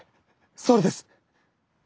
それです！